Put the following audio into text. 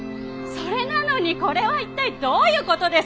それなのにこれは一体どういう事ですか！？